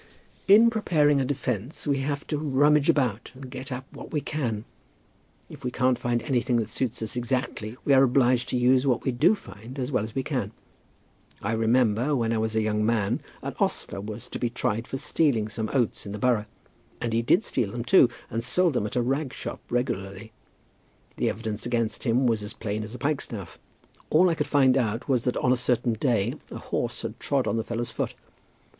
"In preparing a defence we have to rummage about and get up what we can. If we can't find anything that suits us exactly, we are obliged to use what we do find as well as we can. I remember, when I was a young man, an ostler was to be tried for stealing some oats in the Borough; and he did steal them too, and sold them at a rag shop regularly. The evidence against him was as plain as a pike staff. All I could find out was that on a certain day a horse had trod on the fellow's foot.